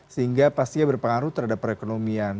sehingga pastinya berpengaruh terhadap perekonomian